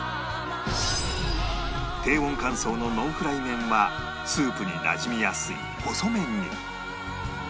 低温乾燥のノンフライ麺はスープになじみやすい細麺に